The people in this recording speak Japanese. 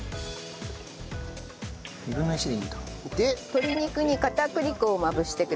鶏肉に片栗粉をまぶしてください。